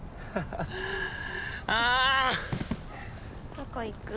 ・どこ行く？